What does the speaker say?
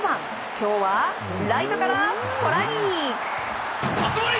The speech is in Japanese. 今日はライトからストライク！